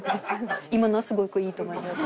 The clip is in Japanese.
今のはすごくいいと思います。